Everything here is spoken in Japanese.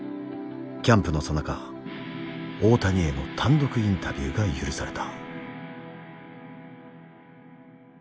キャンプのさなか大谷への単独インタビューが許された。